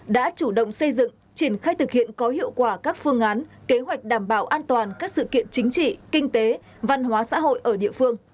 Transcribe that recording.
đã chủ động xây dựng triển khai thực hiện có hiệu quả các phương án kế hoạch đảm bảo an toàn các sự kiện chính trị kinh tế văn hóa xã hội ở địa phương